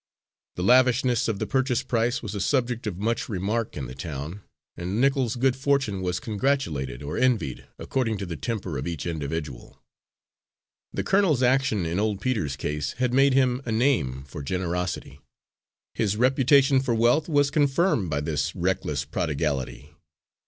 The lavishness of the purchase price was a subject of much remark in the town, and Nichols's good fortune was congratulated or envied, according to the temper of each individual. The colonel's action in old Peter's case had made him a name for generosity. His reputation for wealth was confirmed by this reckless prodigality.